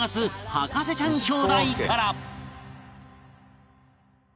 博士ちゃん兄弟から